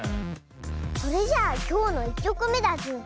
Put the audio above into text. それじゃあきょうの１きょくめだズー。